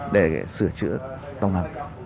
để sửa chữa tông hầm